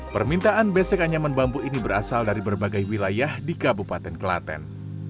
permintaan besek anyaman bambu ini berasal dari berbagai wilayah di kabupaten kelaten